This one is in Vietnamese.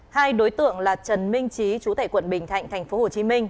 hai đối tượng là trần minh trí chú tại quận bình thạnh tp hcm